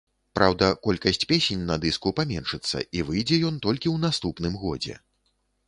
Праўда, колькасць песень на дыску паменшыцца і выйдзе ён толькі ў наступным годзе.